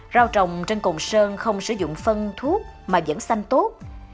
rau trồng trên cồn sơn không sử dụng phân thuốc mà vẫn xanh tốt